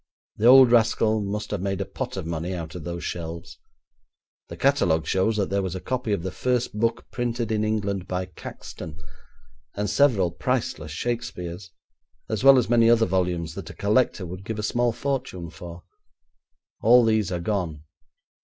The old rascal must have made a pot of money out of those shelves. The catalogue shows that there was a copy of the first book printed in England by Caxton, and several priceless Shakespeares, as well as many other volumes that a collector would give a small fortune for. All these are gone.